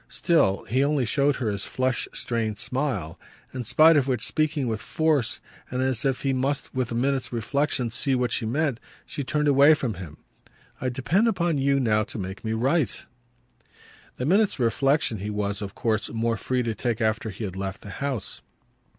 Still he only showed her his flushed strained smile; in spite of which, speaking with force and as if he must with a minute's reflexion see what she meant, she turned away from him. "I depend upon you now to make me right!" The minute's reflexion he was of course more free to take after he had left the house.